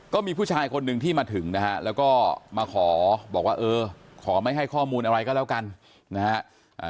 ก็มีผู้ชายคนหนึ่งที่มาถึงนะฮะแล้วก็มาขอบอกว่าเออขอไม่ให้ข้อมูลอะไรก็แล้วกันนะฮะ